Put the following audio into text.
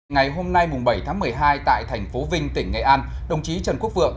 ngày hôm nay bảy tháng một mươi hai tại thành phố vinh tỉnh nghệ an đồng chí trần quốc vượng